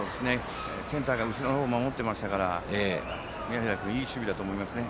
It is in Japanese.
センターが後ろの方を守っていましたから宮平君、いい守備だと思いますね。